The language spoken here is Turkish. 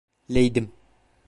Leydim.